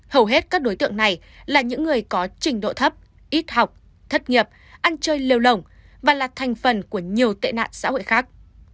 hầu hết các đối tượng này là những người có trình độ thấp ít học thất nghiệp ăn chơi lêu lồng và là thành phần của nhiều tệ nạn xã hội khác